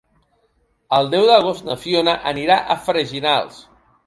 El deu d'agost na Fiona anirà a Freginals.